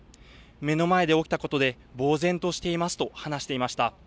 目の前で起きたことでぼう然としていますと話していました。